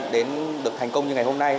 đến được thành công như ngày hôm nay